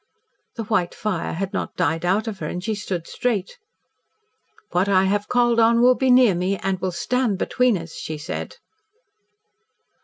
The white fire had not died out of her and she stood straight. "What I have called on will be near me, and will stand between us," she said.